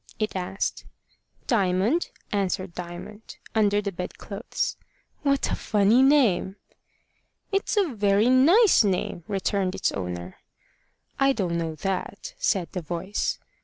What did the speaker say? it asked. "Diamond," answered Diamond, under the bed clothes. "What a funny name!" "It's a very nice name," returned its owner. "I don't know that," said the voice.